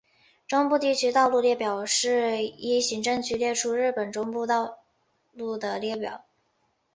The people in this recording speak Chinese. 中部地方道路列表是依行政区列出日本中部地方道路的列表。